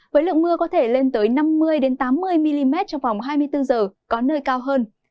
với lượng mưa có thể lên tới năm mươi tám mươi mm trong vòng hai mươi bốn h có nơi cao hơn